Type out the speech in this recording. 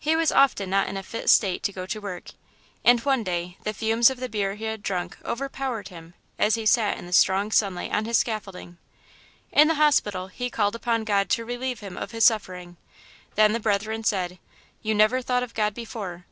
He was often not in a fit state to go to work, and one day the fumes of the beer he had drunk overpowered him as he sat in the strong sunlight on his scaffolding. In the hospital he called upon God to relieve him of his suffering; then the Brethren said, "You never thought of God before.